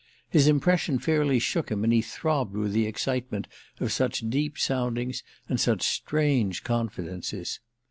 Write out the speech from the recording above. His impression fairly shook him and he throbbed with the excitement of such deep soundings and such strange confidences.